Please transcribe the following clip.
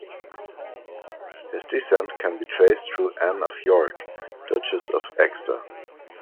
His descent can be traced through Anne of York, Duchess of Exeter.